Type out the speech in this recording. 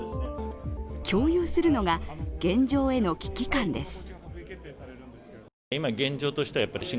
共有するのが現状への危機感です。